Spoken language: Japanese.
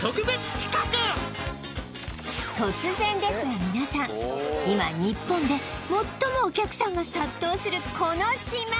突然ですが皆さん今日本で最もお客さんが殺到するこの島